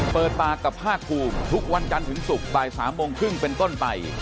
เปิดปากกับภาคภูมิทุกวันจันทร์ถึงศุกร์บ่าย๓โมงครึ่งเป็นต้นไป